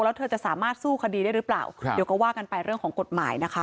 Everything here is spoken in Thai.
แล้วเธอจะสามารถสู้คดีได้หรือเปล่าเดี๋ยวก็ว่ากันไปเรื่องของกฎหมายนะคะ